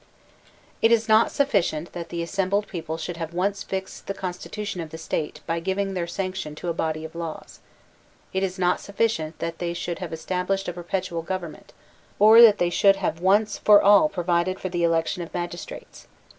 It is not sufficient that the assembled people should have once fixed the constitution of the State by giving their sanction to a body of laws; it is not sufficient that they should have established a perpetual government, or that they should have once for all provided for the election of magistrates.